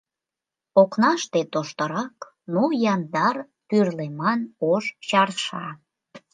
Окнаште тоштырак, но яндар, тӱрлеман ош чарша.